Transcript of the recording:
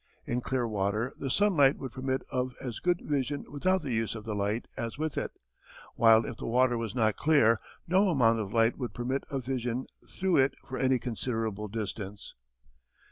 In clear water the sunlight would permit of as good vision without the use of the light as with it, while if the water was not clear, no amount of light would permit of vision through it for any considerable distance.